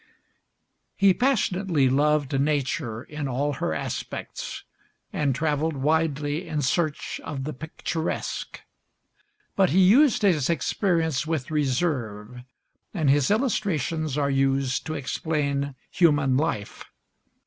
He passionately loved nature in all her aspects, and traveled widely in search of the picturesque; but he used his experience with reserve, and his illustrations are used to explain human life.